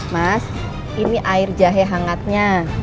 mas ini air jahe hangatnya